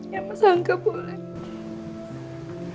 ya mas angga boleh